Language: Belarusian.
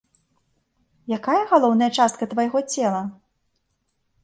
Якая галоўная частка твайго цела?